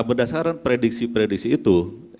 berdasarkan prediksi prediksi itu